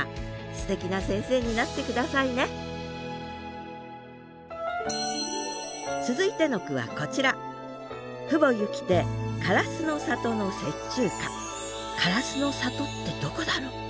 すてきな先生になって下さいね続いての句はこちら「唐洲の里」ってどこだろう？